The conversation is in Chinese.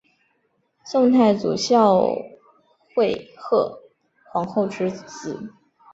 宋太祖孝惠贺皇后之侄。